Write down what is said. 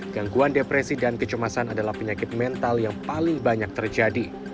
gangguan depresi dan kecemasan adalah penyakit mental yang paling banyak terjadi